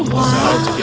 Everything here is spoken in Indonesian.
wah apa itu ya